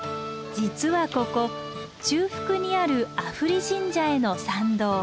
実はここ中腹にある阿夫利神社への参道。